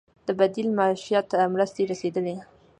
د بدیل معیشت مرستې رسیدلي؟